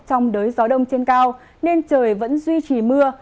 trong đới gió đông trên cao nên trời vẫn duy trì mưa